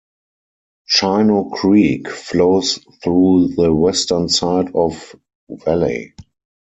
Chino Creek flows through the western side of valley.